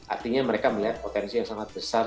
artinya mereka melihat potensi yang sangat besar